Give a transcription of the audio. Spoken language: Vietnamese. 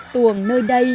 tuồng nơi đây